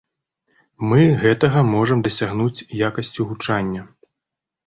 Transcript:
Мы гэтага можам дасягнуць якасцю гучання.